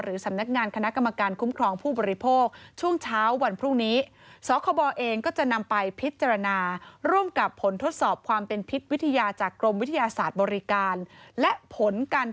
หรือสำนักงานคณะกรรมการคุ้มครองผู้บริโภค